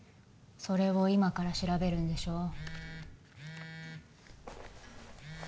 それを今から調べるんでしょう☎